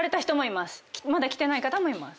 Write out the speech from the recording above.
まだ来てない方もいます。